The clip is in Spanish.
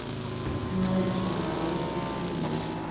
Uno de los compradores es Filemón.